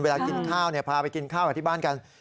เวลากินข้าวพาไปกินข้าวกับที่บ้านกัน